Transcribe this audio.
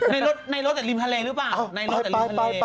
ในรถในรถริมทะเลหรือเปล่า